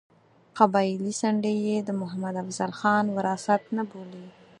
قبایلي څنډه یې د محمد افضل خان وراثت نه بولي.